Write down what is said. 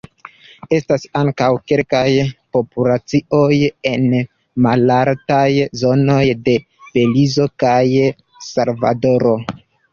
Estas ankaŭ kelkaj populacioj en malaltaj zonoj de Belizo kaj Salvadoro.